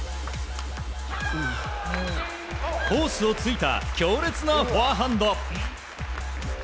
コースを突いた強烈なフォアハンド。